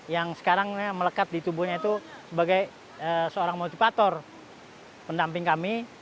yang sekarang melekat di tubuhnya itu sebagai seorang motivator pendamping kami